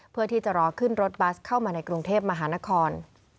เพื่อที่จะรอขึ้นรถบัสเข้ามาในกรุงเทพมหานคร